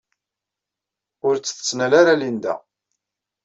Ur tt-tettnal ara Linda.